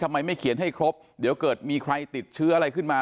ไม่เขียนให้ครบเดี๋ยวเกิดมีใครติดเชื้ออะไรขึ้นมา